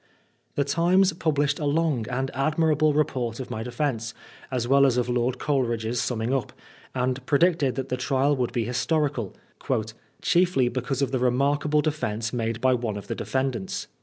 The Times published a long and admirable report of my defence, as well as of Lord Coleridge^s summing up, and predicted that the trial would be historical, •* chiefly because of the remarkable defence made by one of the defendants.'